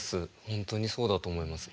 本当にそうだと思います。